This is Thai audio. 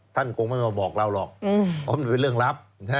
ท่านคงไม่มาบอกเราหรอกเพราะมันเป็นเรื่องลับ